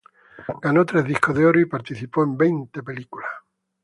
Ganó tres discos de oro y participó en veinte películas.